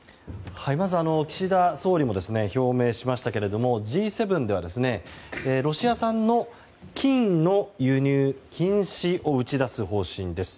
まず岸田総理も表明しましたがＧ７ではロシア産の金の輸入の禁止を打ち出す方針です。